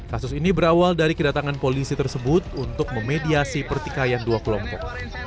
kasus ini berawal dari kedatangan polisi tersebut untuk memediasi pertikaian dua kelompok